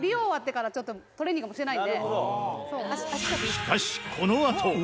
しかしこのあと。